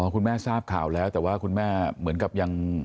คุณแม่ทราบข่าวแล้วแต่ว่าคุณแม่เหมือนกับยัง